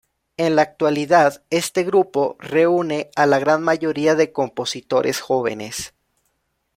En la actualidad este grupo reúne a la gran mayoría de compositores jóvenes.